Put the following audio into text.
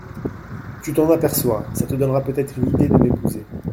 Tu t’en aperçois !… ça te donnera peut-être l’idée de m’épouser.